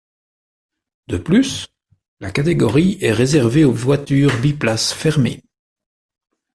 De plus, la catégorie est réservée aux voitures biplaces fermées.